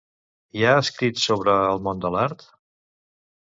I ha escrit sobre el món de l'art?